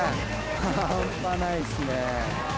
半端ないっすね。